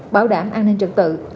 bảo đảm an ninh trận tự